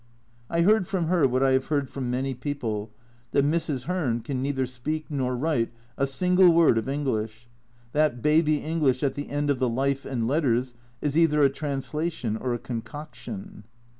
I heard from her what I have heard from many people, that Mrs. Hearn can neither speak nor write a single word of English. That baby English at the end of the Life and Letters is either a translation or a concoction.